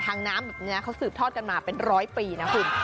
น้ำแบบนี้เขาสืบทอดกันมาเป็นร้อยปีนะคุณ